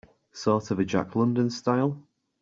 Sort of a Jack London style?